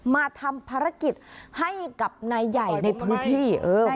มาทำภารกิจให้กับนายใหญ่ในพื้นที่